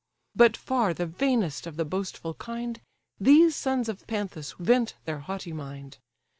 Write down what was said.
But far the vainest of the boastful kind, These sons of Panthus vent their haughty mind.